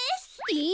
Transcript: え！